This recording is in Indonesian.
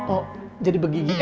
oh jadi begini